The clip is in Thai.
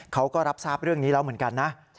เขาก็รับทราบเรื่องนี้แล้วเหมือนกันนะ